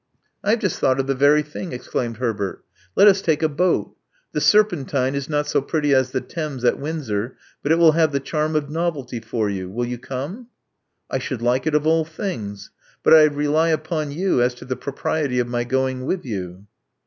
I have just thought of the very thing," exclaimed Herbert. Let us take a boat. The Serpentine is not so pretty as the Thames at Windsor; but it will have the charm of novelty for you. Will you come?" •*I should like it of all things. But I rely upon you as to the propriety of my going with you.